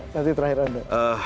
nanti terakhir anda